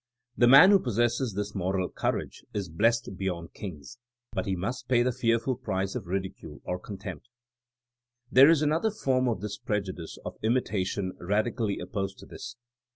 The man who possesses this moral courage is blessed beyond kings, but he must pay the fear ful price of ridicule or contempt. There is another form of this prejudice of imitation radically opposed to this.